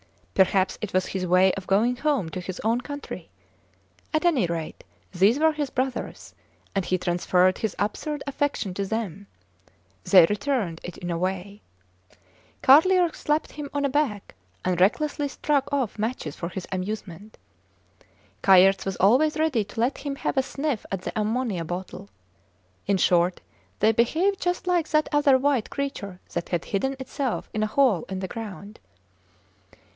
Perhaps it was his way of going home to his own country? At any rate, these were his brothers, and he transferred his absurd affection to them. They returned it in a way. Carlier slapped him on the back, and recklessly struck off matches for his amusement. Kayerts was always ready to let him have a sniff at the ammonia bottle. In short, they behaved just like that other white creature that had hidden itself in a hole in the ground.